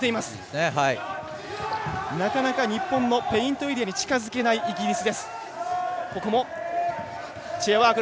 なかなか日本のペイントエリアに近づけない、イギリスです。